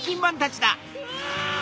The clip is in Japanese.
うわ！